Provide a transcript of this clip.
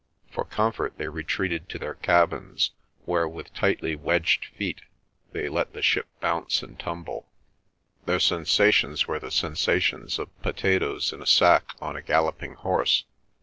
For comfort they retreated to their cabins, where with tightly wedged feet they let the ship bounce and tumble. Their sensations were the sensations of potatoes in a sack on a galloping horse.